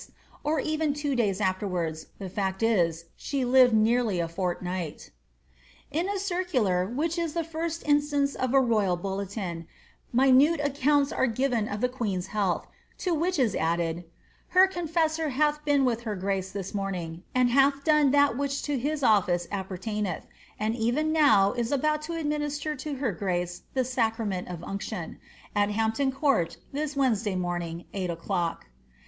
or even two days afterwards; the fret is, she lived nearly a fortnight In a circular, which is the first instance of a royal bulletin, minute accounts are given of the queen^s health ; to which is added, ^ Her con fessor hath been with her grace this morning, and hath done that which to his office appertaineth, and even now is about to administer to her grace the sacrament of unction. At Hampton Court this Wednesday Doraing,' eight o'clock."